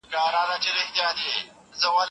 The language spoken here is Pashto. هغه په خپلې څيړني کي له نويو ماخذونو ګټه اخلي.